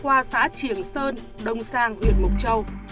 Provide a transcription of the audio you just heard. qua xã triềng sơn đông sang huyện mộc châu